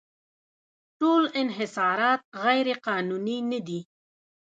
ټول انحصارات غیرقانوني نه دي.